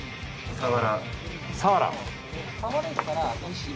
佐原？